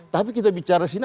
tapi kita bicara disini